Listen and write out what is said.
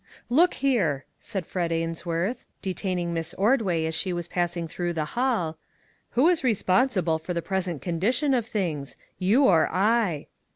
" LOOK here," said Frederick Ains worth, detaining Miss Ordway as she was passing through the hall, " who is responsible for the present condition of things, you or I